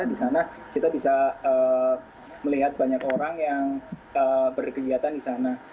di sana kita bisa melihat banyak orang yang berkegiatan di sana